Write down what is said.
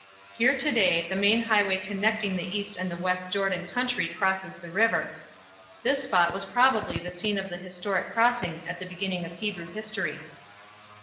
Here to day the main highway connecting the east and the west Jordan country crosses the river. This spot was probably the scene of the historic crossing at the beginning of Hebrew history.